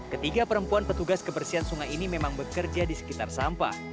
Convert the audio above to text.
ketiga perempuan petugas kebersihan sungai ini memang bekerja di sekitar sampah